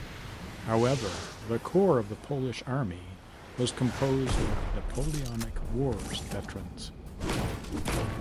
However, the core of the Polish Army was composed of Napoleonic Wars veterans.